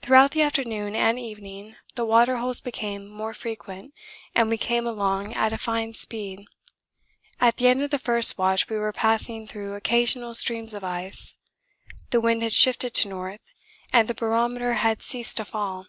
Throughout the afternoon and evening the water holes became more frequent and we came along at a fine speed. At the end of the first watch we were passing through occasional streams of ice; the wind had shifted to north and the barometer had ceased to fall.